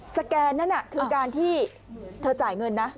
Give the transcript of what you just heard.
แกนนั่นคือการที่เธอจ่ายเงินนะ